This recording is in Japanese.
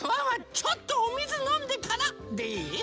ちょっとおみずのんでからでいい？